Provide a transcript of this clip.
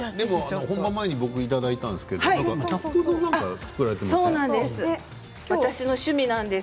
本番前に僕いただいたんですけどキャップで何が作られてますよね。